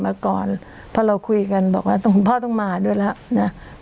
พอเราคุยกันบอกว่าคุณพ่อต้องมาด้วยแล้ว